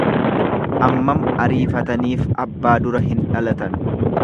Ammam ariifataniif abbaa dura hin dhalatan.